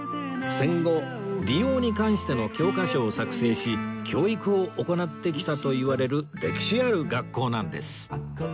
戦後理容に関しての教科書を作成し教育を行ってきたといわれる歴史ある学校なんです